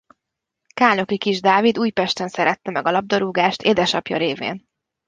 Kálnoki Kis Dávid Újpesten szerette meg a labdarúgást édesapja révén.